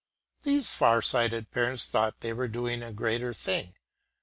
These far sighted parents thought they were doing a great thing.